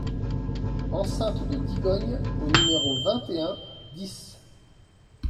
Enceinte de Digogne au numéro vingt et un dix